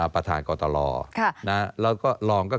ปฐานกตกรแล้วก็รองตกปฐล